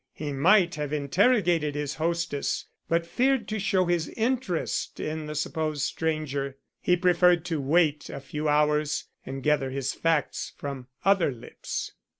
He might have interrogated his hostess, but feared to show his interest in the supposed stranger. He preferred to wait a few hours and gather his facts from other lips.